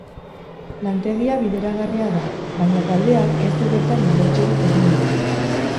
Lantegia bideragarria da, baina taldeak ez du bertan inbertsiorik egin nahi.